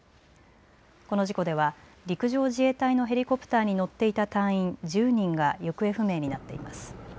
この事故では陸上自衛隊のヘリコプターに乗っていた隊員１０人が行方不明になっています。